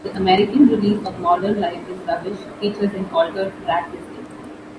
The American release of "Modern Life Is Rubbish" features an altered track listing.